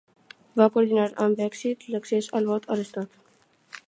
Va coordinar amb èxit l'accés al vot a l'estat.